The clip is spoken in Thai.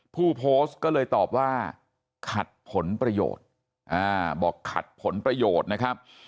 ผู้โพสต์ก็เลยตอบว่าขัดผลประโยชน์บอกขัดผลประโยชน์นะครับ